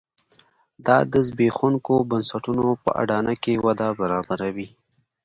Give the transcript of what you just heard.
دا د زبېښونکو بنسټونو په اډانه کې وده برابروي.